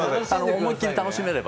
思いっきり楽しめれば。